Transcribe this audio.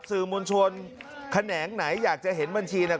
ส่วนแขนงไหนอยากจะเห็นบัญชีนะ